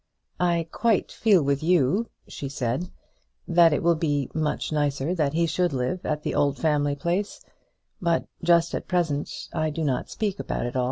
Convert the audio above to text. "I quite feel with you," she said, "that it will be much nicer that he should live at the old family place; but just at present I do not speak about it."